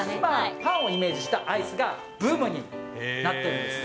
パンをイメージしたアイスがブームになっているんです。